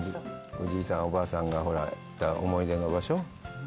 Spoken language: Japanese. おじいさん、おばあさんがいた思い出の場所？